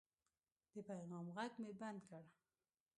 د پیغام غږ مې بند کړ.